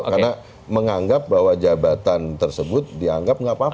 karena menganggap bahwa jabatan tersebut dianggap nggak apa apa